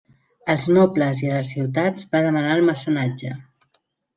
Als nobles i a les ciutats va demanar el mecenatge.